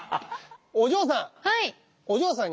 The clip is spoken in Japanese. お嬢さん。